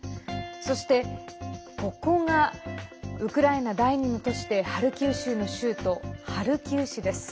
そして、ここがウクライナ第２の都市でハルキウ州の州都ハルキウ市です。